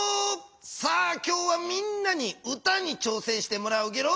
さあ今日はみんなに歌にちょうせんしてもらうゲロ。